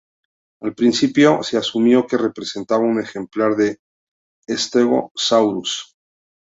Al principio, se asumió que representaba un ejemplar de "Stegosaurus".